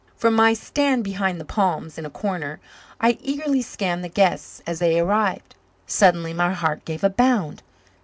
From my stand behind the palms in a corner I eagerly scanned the guests as they arrived. Suddenly my heart gave a bound.